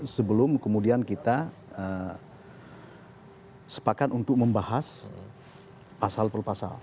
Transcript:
sebelum kemudian kita sepakat untuk membahas pasal pelupasal